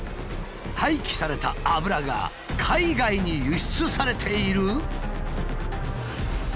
廃棄された油が海外に輸出されている？